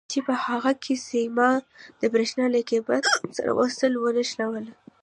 چې په هغو کې سیمان د برېښنا له کیبل سره وصل یا ونښلول شي.